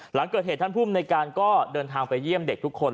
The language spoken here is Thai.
หลังเกิดเหตุท่านภูมิในการก็เดินทางไปเยี่ยมเด็กทุกคน